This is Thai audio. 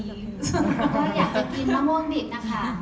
ก็อยากจะกินมะม่วนบีบนะคะ